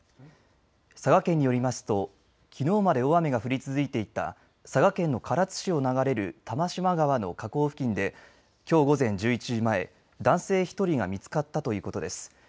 佐賀県によりますときのうまで大雨が降り続いていた佐賀県の唐津市を流れる玉島川の河口付近できょう午前１１時前、男性１人が見つかったということです。